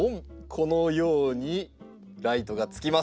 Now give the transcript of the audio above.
このようにライトがつきます。